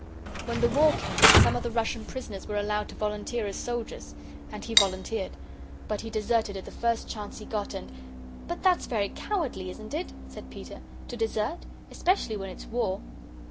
"When the war came, some of the Russian prisoners were allowed to volunteer as soldiers. And he volunteered. But he deserted at the first chance he got and " "But that's very cowardly, isn't it" said Peter "to desert? Especially when it's war."